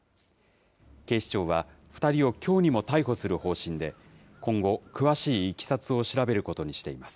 警視庁は、２人をきょうにも逮捕する方針で、今後、詳しいいきさつを調べることにしています。